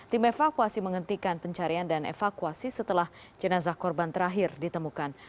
tim evakuasi menghentikan pencarian dan evakuasi setelah jenazah korban terakhir ditemukan